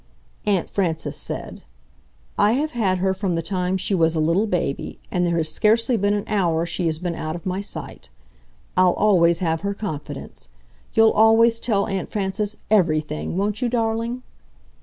Aunt Frances said: "I have had her from the time she was a little baby and there has scarcely been an hour she has been out of my sight. I'll always have her confidence. You'll always tell Aunt Frances EVERYTHING, won't you, darling?"